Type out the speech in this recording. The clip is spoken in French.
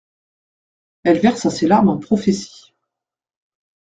Elle versa ses larmes en prophéties.